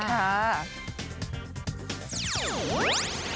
ค่ะ